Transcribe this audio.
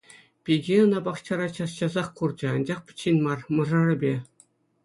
Пике ӑна пахчара час-часах курчӗ, анчах пӗччен мар — мӑшӑрӗпе.